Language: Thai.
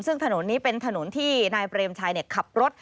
ซึ่งถนนนี้เป็นถนนที่นายเปรมชัยขับรถ